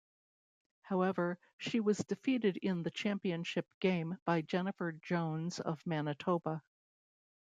However, she was defeated in the championship game by Jennifer Jones of Manitoba.